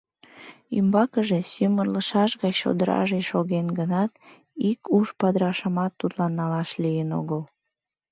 Ӱмбакыже сӱмырлышаш гай чодыраже шоген гынат, ик укш падырашымат тудлан налаш лийын огыл.